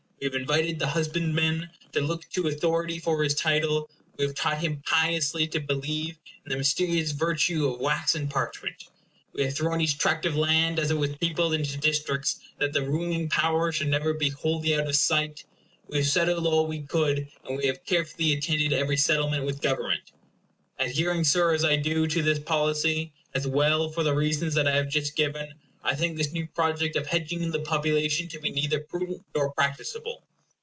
We have invited the husbandman to look to authority for his title. We have taught him piously to believe in the mysterious virtue of wax and parchment. We have thrown each tract of land, as it was peopled, into districts, that the ruling power should never be wholly out of sight. We have settled all we could; and we have carefully attended every settlement with government. Adhering, Sir, as I do, to this policy, as well as for the reasons I have just given, I think this new project of hedging in population to be neither prudent nor practicable.